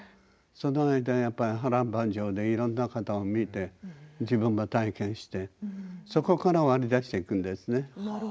その間、波乱万丈でいろんな方を見て自分が体験して、そこから割り出していくんですね。